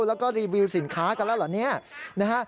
แล้วก็รีวิวสินค้ากันแล้วเหรอ